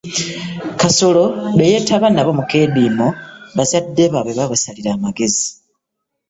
Kasolo be yeetaba nabo mu keediimo bazadde baabwe baabasalira amagezi.